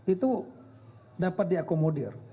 itu dapat diakomodir